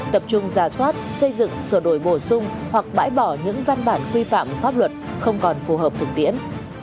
tập trung giả soát xây dựng sửa đổi bổ sung hoặc bãi bỏ những văn bản quy phạm pháp luật không còn phù hợp thực tiễn